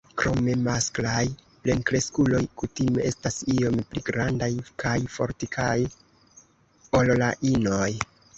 Krome masklaj plenkreskuloj kutime estas iom pli grandaj kaj fortikaj ol la inoj.